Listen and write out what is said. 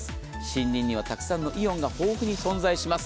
森林にはたくさんのイオンが豊富に存在します。